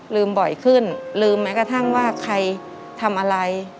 บ่อยขึ้นลืมแม้กระทั่งว่าใครทำอะไร